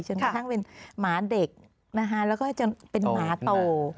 จนกระทั่งเป็นหมาเด็กนะคะแล้วก็จะเป็นหมาโต